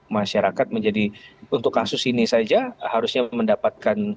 masyarakat menjadi untuk kasus ini saja harusnya mendapatkan